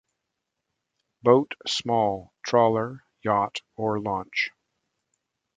Boat small—trawler, yacht, or launch.